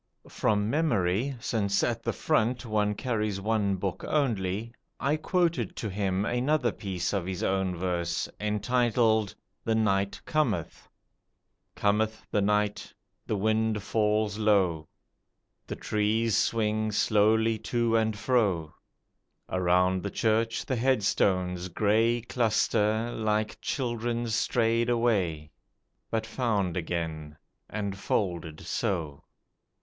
From memory since at the front one carries one book only I quoted to him another piece of his own verse, entitled "The Night Cometh": "Cometh the night. The wind falls low, The trees swing slowly to and fro; Around the church the headstones grey Cluster, like children stray'd away, But found again, and folded so."